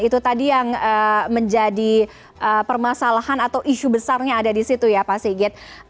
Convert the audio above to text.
itu tadi yang menjadi permasalahan atau isu besarnya ada di situ ya pak sigit